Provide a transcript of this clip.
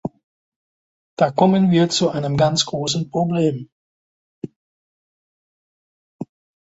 Da kommen wir zu einem ganz großen Problem.